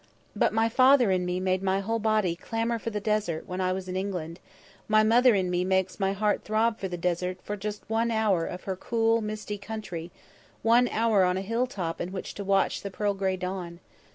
But my father in me made my whole body clamour for the desert when I was in England; my mother in me makes my heart throb in the desert for just one hour of her cool, misty country, one hour on a hill top in which to watch the pearl gray dawn.